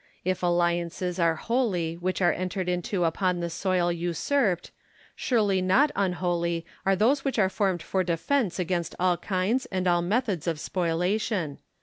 If alliances are holy which are entered into upon the soil usurped, surely not unholy are those which are formed for defence against all kinds and all methods of spoliation.